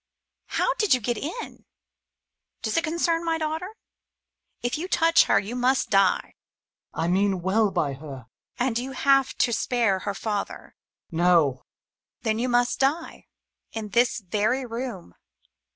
How did you get in? — Does it concern my daughter ? If you touch her, you must die ! Hummel. I mean well by her ! Mummy. And you have to spare her father ! Hxtmmel. No! MuiiMY. Then you must die in this very room